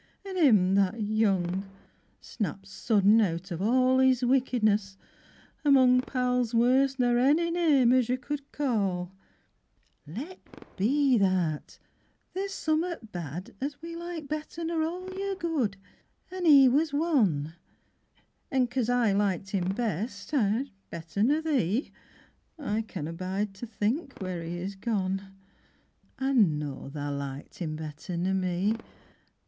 Yi, an' 'im that young, Snapped sudden out of all His wickedness, among Pals worse n'r ony name as you could call. Let be that; there's some o' th' bad as we Like better nor all your good, an' 'e was one. An' cos I liked him best, yi, bett'r nor thee, I canna bide to think where he is gone. Ah know tha liked 'im bett'r nor me.